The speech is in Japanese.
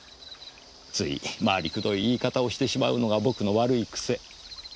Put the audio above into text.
つい回りくどい言い方をしてしまうのが僕の悪い癖。